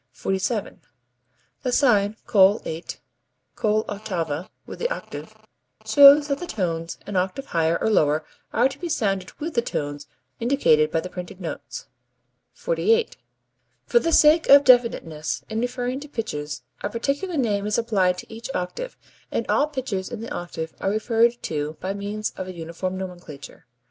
47. The sign Col 8 (coll'ottava with the octave) shows that the tones an octave higher or lower are to be sounded with the tones indicated by the printed notes. [Transcriber's Note: Corrected error "col ottava" in original.] 48. For the sake of definiteness in referring to pitches, a particular name is applied to each octave, and all pitches in the octave are referred to by means of a uniform nomenclature.